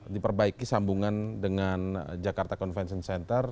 diperbaiki sambungan dengan jakarta convention center